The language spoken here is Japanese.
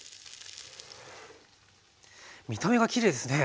見た目がきれいですね。